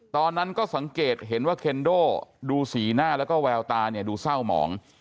ตอนนั้นก็สังเกตเห็นว่าเคนโดดูสีหน้าแล้วก็แววตาเนี่ยดูเศร้าหมอง